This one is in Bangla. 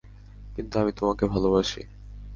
কিন্তু আমি তোমাকে ভালবাসি।